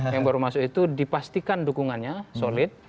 yang baru masuk itu dipastikan dukungannya solid